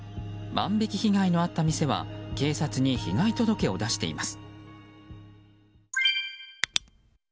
万引き被害のあった店は警察に被害届を出しています。